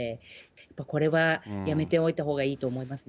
やっぱりこれはやめておいたほうがいいと思いますね。